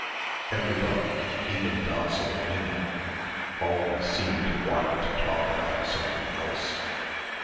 Everybody, even docile Minna, always seemed to want to talk about something else....